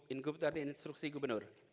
inkup itu artinya instruksi gubernur